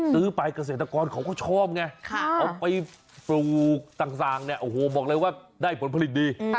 ซื้อไปเกษตรกรเขาก็ชอบไงเอาไปปลูกต่างเนี่ยโอ้โหบอกเลยว่าได้ผลผลิตดี